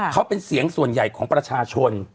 เขาเป็นเสียงส่วนใหญ่ของประชาชน